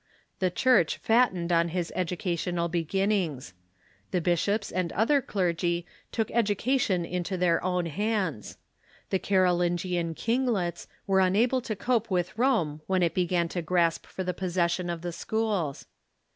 The Church fattened on his edu cational beginnings. The bishops and other cler Lite°r'a''ry"Acti"vity SY ^ook education into their ow^n hands. The Carolingian kinglets were unable to cope with Rome when it began to grasp for the possession of the schools.